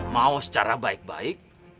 mau secara baik baik